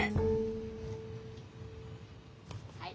はい。